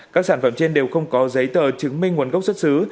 các sản phẩm trên đều không có giấy tờ chứng minh nguồn gốc xuất xứ